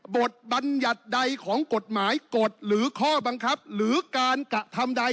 บัญญัติใดของกฎหมายกฎหรือข้อบังคับหรือการกระทำใด